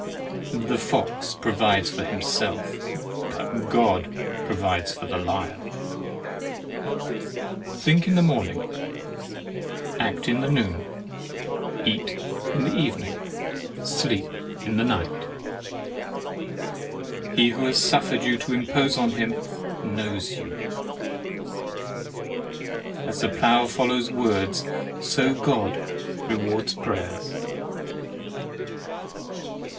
The fox provides for himself, but God provides for the lion. Think in the morning, act in the noon, eat in the evening, sleep in the night. He who has suffered you to impose on him knows you. As the plough follows words, so God rewards prayers.